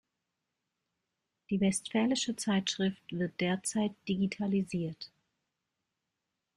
Die Westfälische Zeitschrift wird derzeit digitalisiert.